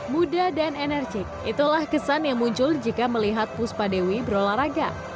muda dan enerjik itulah kesan yang muncul jika melihat puspa dewi berolahraga